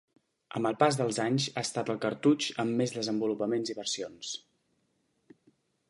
Amb el pas dels anys ha estat el cartutx amb més desenvolupaments i versions.